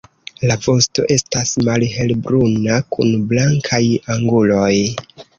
La vosto estas malhelbruna kun blankaj anguloj.